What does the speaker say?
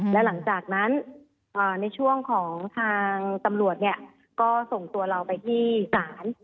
แล้วหลังจากนั้นในช่วงของทางตำรวจเนี่ยก็ส่งตัวเราไปที่ศาล